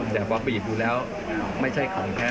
ถึงดูแล้วไม่ใช่ของแพ้